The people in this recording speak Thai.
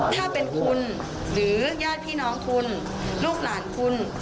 ถ้าเป็นคุณหรือญาติพี่น้องคุณลูกหลานคุณ